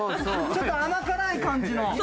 ちょっと甘辛い感じの。